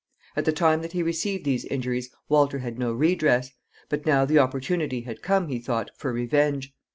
At the time that he received these injuries Walter had no redress, but now the opportunity had come, he thought, for revenge.